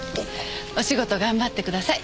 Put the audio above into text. お仕事頑張ってください。